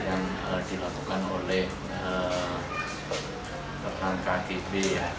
yang dilakukan oleh perang kkb